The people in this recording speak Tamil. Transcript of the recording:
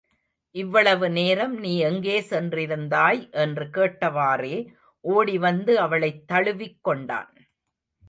இவ்வளவு நேரம் நீ எங்கே சென்றிருந்தாய் என்று கேட்டவாறே ஓடிவந்து அவளைத் தழுவிக் கொண்டான்.